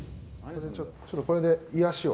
ちょっとこれで癒やしを。